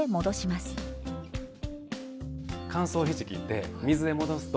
乾燥ひじきって水で戻すと。